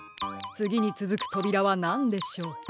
つぎにつづくとびらはなんでしょう？